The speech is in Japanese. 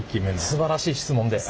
すばらしい質問で。